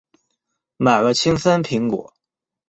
买了青森苹果